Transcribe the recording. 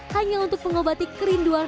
hanya untuk mengobati kerinduan